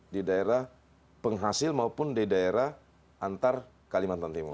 di daerah penghasil maupun di daerah antar kalimantan timur